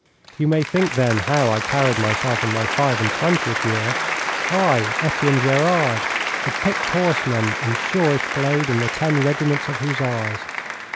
You may think, then, how I carried myself in my five and twentieth year I, Etienne Gerard, the picked horseman and surest blade in the ten regiments of hussars.